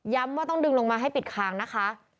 ว่าต้องดึงลงมาให้ปิดคางนะคะ